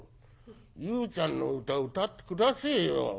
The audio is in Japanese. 裕ちゃんの歌歌って下せえよ」。